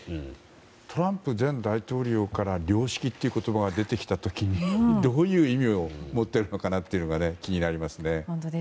トランプ前大統領から良識という言葉が出てきた時にどういう意味を持ってるのかというのが気になりますね。